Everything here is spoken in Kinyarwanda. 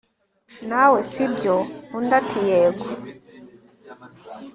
nawesibyo undi ati yego